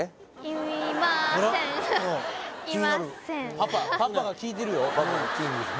パパパパが聞いてるよ